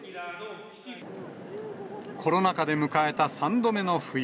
コロナ禍で迎えた３度目の冬。